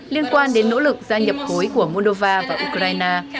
liên quan đến nỗ lực gia nhập khối của moldova và ukraine